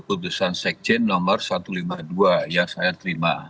pertimbangan pertimbangan yang ada di keputusan sekjen no satu ratus lima puluh dua yang saya terima